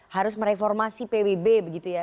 harus mereformasi pbb begitu ya